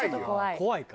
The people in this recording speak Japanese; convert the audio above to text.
「怖い」か。